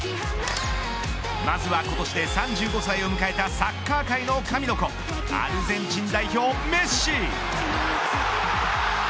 まずは今年で３５歳を迎えたサッカー界の神の子アルゼンチン代表メッシ。